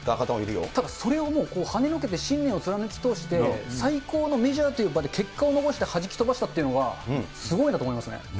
ただそれをもう、はねのけて、信念を貫き通して、最高のメジャーという場で結果を残してはじき飛ばしたっていうのはすごいと思いますよね。